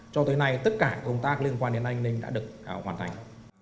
cho tới nay tất cả công tác liên quan đến an ninh đã được hoàn thành